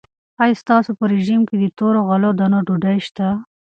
آیا ستاسو په رژیم کې د تورو غلو دانو ډوډۍ شته؟